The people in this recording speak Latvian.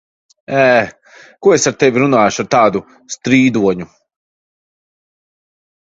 Ē! Ko es ar tevi runāšu, ar tādu strīdoņu?